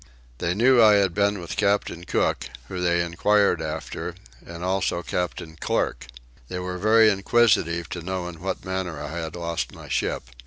They knew I had been with captain Cook, who they inquired after, and also captain Clerk. They were very inquisitive to know in what manner I had lost my ship.